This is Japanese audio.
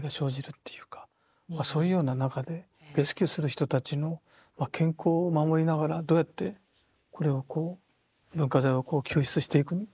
そういうような中でレスキューする人たちの健康を守りながらどうやってこれをこう文化財を救出していく。